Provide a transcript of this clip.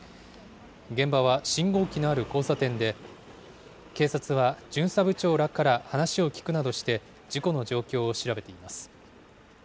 現場は、信号機のある交差点で、警察は巡査部長らから話を聴くなどして、事故の状況を調べています。